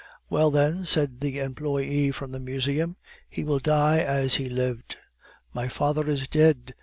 "Well, then," said the employe from the Museum, "he will die as he has lived." "My father is dead!"